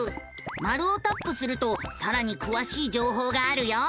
マルをタップするとさらにくわしい情報があるよ。